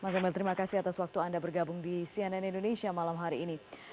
mas emil terima kasih atas waktu anda bergabung di cnn indonesia malam hari ini